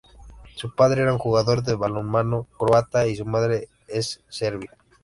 Su padre era un jugador de balonmano croata y su madre es serbia.